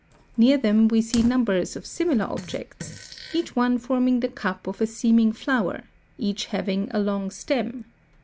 Near them we see numbers of similar objects, each one forming the cup of a seeming flower, each having a long stem.